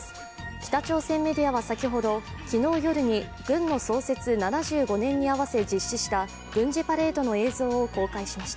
北朝鮮メディアは先ほど、昨日夜に軍の創設７５年に合わせ実施した軍事パレードの映像を公開しました。